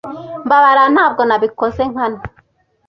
Mbabarira. Ntabwo nabikoze nkana.